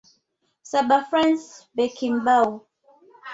Saba Franz Beckenbaue